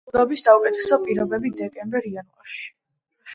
ხილვადობის საუკეთესო პირობებია დეკემბერ-იანვარში.